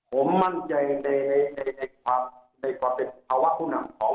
ผมมั่นใจในความเป็นภาวะผู้นำของ